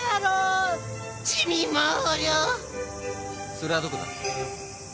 それはどこだ？